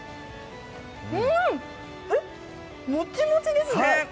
もちもちですね。